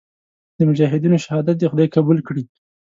د مجاهدینو شهادت دې خدای قبول کړي.